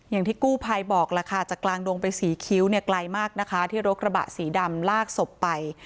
อย่างที่กู้ภัยบอกล่ะค่ะจากกลางดงไปศรีคิ้วเนี่ยไกลมากนะคะที่รถกระบะสีดำลากศพไป